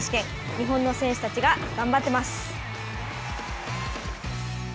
日本の選手たちが頑張っています。